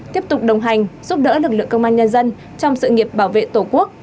tiếp tục đồng hành giúp đỡ lực lượng công an nhân dân trong sự nghiệp bảo vệ tổ quốc